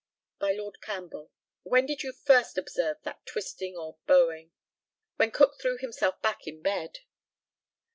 By Lord CAMPBELL: When did you first observe that twisting or bowing? When Cook threw himself back in bed.